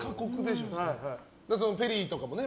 ペリーとかもね。